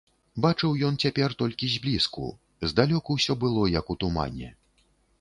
Бачыў ён цяпер толькі зблізку, здалёк усё было як у тумане.